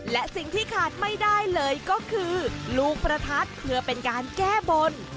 และสิ่งที่ขาดไม่ได้เลยก็คือลูกประทัดเพื่อเป็นการแก้บน